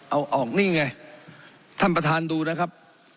เอาออกนี่ไงท่านประธานดูนะครับ